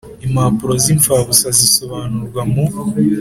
impapuro z imfabusa zisobanurwa mu